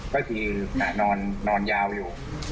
ก็คือนอนยาวอยู่